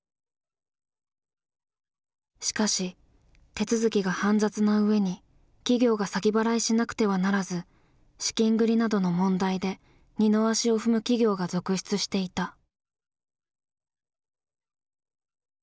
しかし手続きが煩雑なうえに企業が先払いしなくてはならず資金繰りなどの問題で二の足を踏む企業が続出していた。